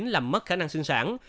làm mất khả năng sinh sản